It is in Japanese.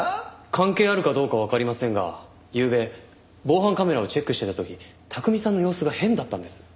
関係あるかどうかわかりませんがゆうべ防犯カメラをチェックしてた時拓海さんの様子が変だったんです。